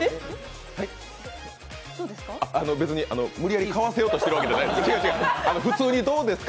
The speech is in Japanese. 別に無理やり買わせようとしているわけじゃないです。